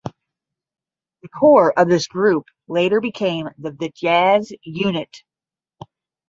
The core of this group later became the ""Vityaz"" unit.